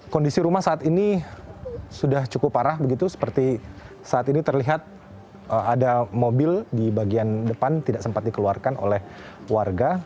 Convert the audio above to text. kondisi rumah saat ini sudah cukup parah begitu seperti saat ini terlihat ada mobil di bagian depan tidak sempat dikeluarkan oleh warga